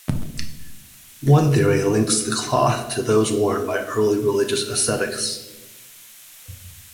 One theory links the cloth to those worn by early religious ascetics.